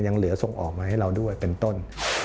ยังเหลือส่งออกมาให้เราด้วยเป็นต้น